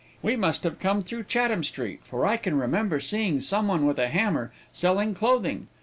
"We must have come through Chatham street, for I can remember seeing some one with a hammer, selling clothing.